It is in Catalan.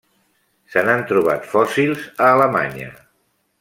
Se n'han trobat fòssils a Alemanya.